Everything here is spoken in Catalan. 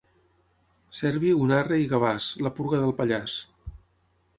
Cerbi, Unarre i Gavàs: la purga del Pallars.